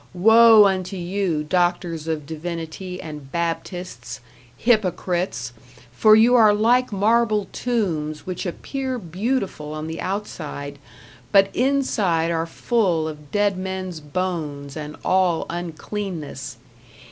Woe unto you, doctors of divinity and Baptists, hypocrites! for you are like marble tombs which appear beautiful on the outside, but inside are full of dead men's bones and all uncleanness.